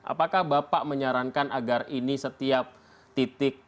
apakah bapak menyarankan agar ini setiap titik